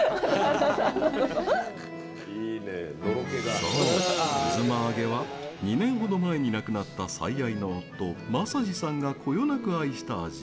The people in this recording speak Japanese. そう、うづまあげは２年ほど前に亡くなった最愛の夫正次さんがこよなく愛した味。